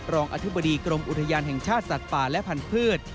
รองอธิบดีกรมอุทยานแห่งชาติสัตว์ป่าและพันธุ์